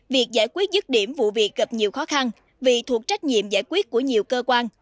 việc giải quyết dứt điểm vụ việc gặp nhiều khó khăn vì thuộc trách nhiệm giải quyết của nhiều cơ quan